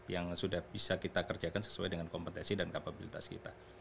yang sudah bisa kita kerjakan sesuai dengan kompetensi dan kapabilitas kita